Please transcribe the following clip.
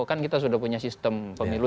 kan kita sudah punya sistem pemilu